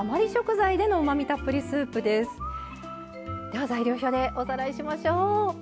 材料表でおさらいしましょう。